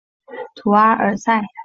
图阿尔塞。